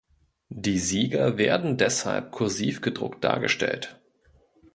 Die Sieger werden deshalb kursiv gedruckt dargestellt.